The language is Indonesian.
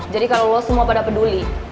jadi kalo lo semua pada peduli